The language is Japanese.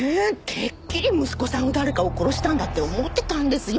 てっきり息子さんが誰かを殺したんだって思ってたんですよ。